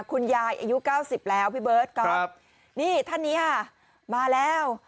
คุณยายอายุ๙๐แล้วพี่เบิร์ตครับนี่ท่านนี้มาแล้ว